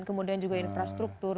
kemudian juga infrastruktur